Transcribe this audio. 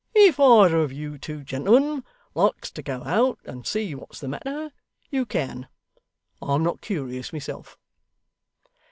If either of you two gentlemen likes to go out and see what's the matter, you can. I'm not curious, myself.